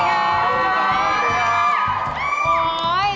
สวัสดีครับ